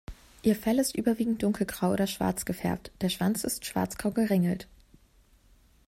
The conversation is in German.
Ihr Fell ist überwiegend dunkelgrau oder schwarz gefärbt, der Schwanz ist schwarz-grau geringelt.